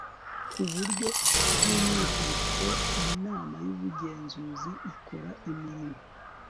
ku buryo bw'umwihariko, inama y'ubugenzuzi ikora imirimo